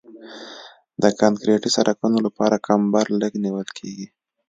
د کانکریټي سرکونو لپاره کمبر لږ نیول کیږي